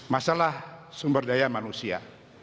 masalah sumber daya manusia